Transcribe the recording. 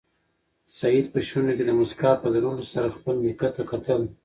سعید په شونډو کې د موسکا په لرلو سره خپل نیکه ته کتل.